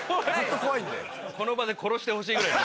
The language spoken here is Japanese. この場で殺してほしいぐらい。